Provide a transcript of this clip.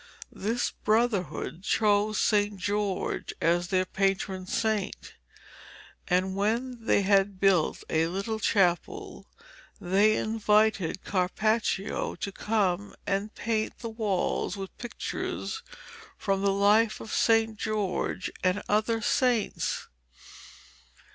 This Brotherhood chose St. George as their patron saint, and when they had built a little chapel they invited Carpaccio to come and paint the walls with pictures from the life of St. George and other saints.